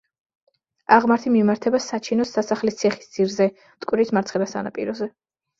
აღმართი მიემართება „საჩინოს“ სასახლის ციხის ძირზე, მტკვრის მარცხენა სანაპიროზე.